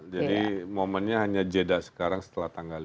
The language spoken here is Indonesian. jadi momennya hanya jeda sekarang setelah tanggal lima